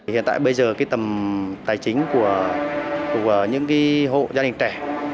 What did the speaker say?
hiện tại bây giờ cái tầm tài chính của những hộ gia đình trẻ